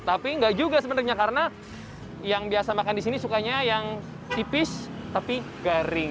tapi nggak juga sebenarnya karena yang biasa makan disini sukanya yang tipis tapi garing